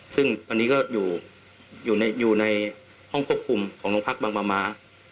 ซึ่งตอนนี้ก็อยู่ในห้องควบคุมของโรงพักบางประมา